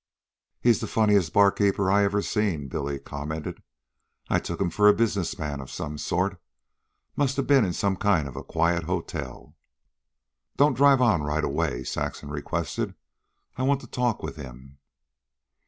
"He's the funniest barkeeper I ever seen," Billy commented. "I took him for a business man of some sort. Must a ben in some kind of a quiet hotel." "Don't drive on right away," Saxon requested. "I want to talk with him."